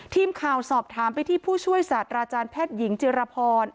ทีมข่าวสอบถามไปที่ผู้ช่วยศาสตราจารย์แพทย์หญิงจิรพร